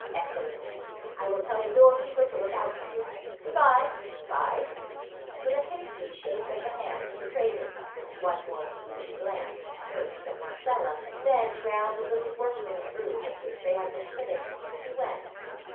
Excellent! I will tell the doorkeeper to look out for you. Good bye! good bye!" And with a hasty shake of the hand to the Cravens, and one more keen glance, first at Marcella and then round the little workman's room in which they had been sitting, he went.